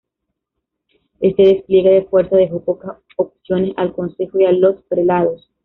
Este despliegue de fuerza dejó pocas opciones al consejo y a los prelados.